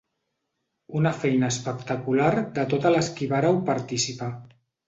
Una feina espectacular de totes les qui vareu participar.